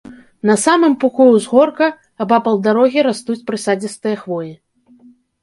На самым пуку ўзгорка, абапал дарогі, растуць прысадзістыя хвоі.